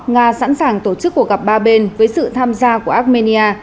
nga sẵn sàng tổ chức cuộc gặp ba bên với sự tham gia của armenia